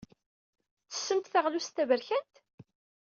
Tettessemt taɣlust taberkant?